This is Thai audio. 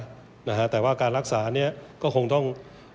ที่เราต้องรักษาให้ได้นะฮะแต่ว่าการรักษานี้ก็คงต้อง